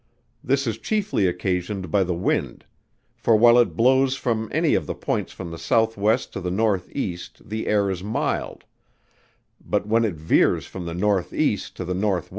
This is chiefly occasioned by the wind: for while it blows from any of the points from the S.W. to the N.E. the air is mild; but when it veers from the N.E. to the N.W.